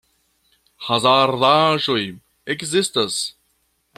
Hazardaĵoj ekzistas.